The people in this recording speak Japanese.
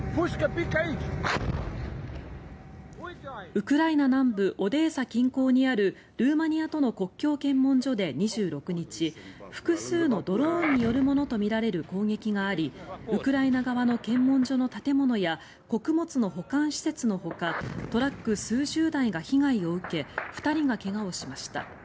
ウクライナ南部オデーサ近郊にあるルーマニアとの国境検問所で２６日複数のドローンによるものとみられる攻撃がありウクライナ側の検問所の建物や穀物の保管施設のほかトラック数十台が被害を受け２人が怪我をしました。